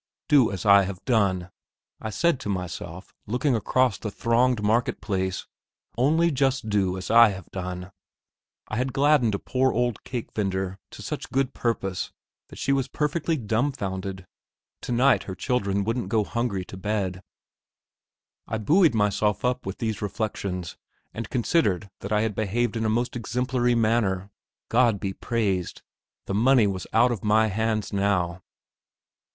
"Do as I have done!" I said to myself, looking across the thronged market place "only just do as I have done!" I had gladdened a poor old cake vendor to such good purpose that she was perfectly dumbfounded. Tonight her children wouldn't go hungry to bed.... I buoyed myself up with these reflections and considered that I had behaved in a most exemplary manner. God be praised! The money was out of my hands now!